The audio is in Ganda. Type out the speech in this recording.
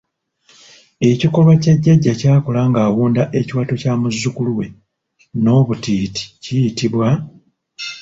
Ekikolwa jjajja kyakola ng'awunda ekiwato kya muzzukulu we n'obutiiti kiyitibwa?